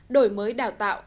đổi mới đào tạo